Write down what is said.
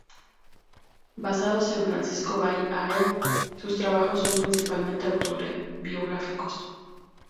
Basados en San Francisco Bay Area, sus trabajos son principalmente autobiográficos.